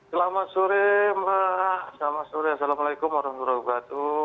selamat sore mbak selamat sore assalamualaikum warahmatullahi wabarakatuh